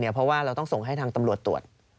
เพราะว่าเราต้องส่งให้ทางตำรวจตรวจ